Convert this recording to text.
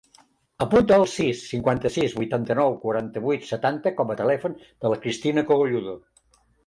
Apunta el sis, cinquanta-sis, vuitanta-nou, quaranta-vuit, setanta com a telèfon de la Cristina Cogolludo.